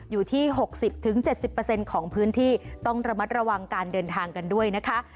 อยู่ที่๖๐๗๐ของพื้นที่ต้องระมัดระวังการเดินทางกันด้วยนะคะ